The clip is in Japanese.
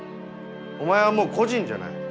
お前はもう個人じゃない。